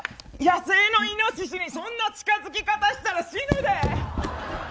野生のイノシシにそんな近づき方したら死ぬで！